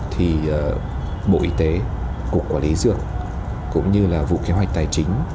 thì bộ y tế cục quản lý dược cũng như là vụ kế hoạch tài chính